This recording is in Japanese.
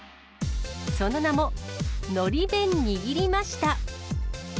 その名も、のり弁にぎりました。